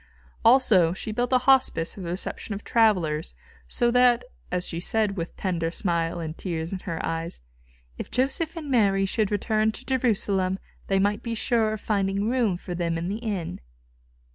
Also, she built a hospice for the reception of travellers, so that, as she said with tender smile and tears in eyes, "If Joseph and Mary should return to Jerusalem, they might be sure of finding room for them in the inn."